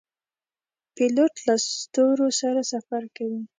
پیلوټ له ستورو سره سفر کوي.